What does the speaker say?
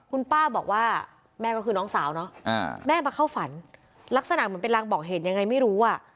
คุณป้าบอกว่าแม่ก็คือน้องสาวเนาะแม่มาเข้าฝันลักษณะเหมือนเป็นรางบอกเหตุยังไงไม่รู้อ่ะ